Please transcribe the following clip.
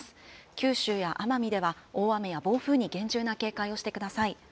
九州や奄美では、大雨や暴風に厳重に警戒をしてください。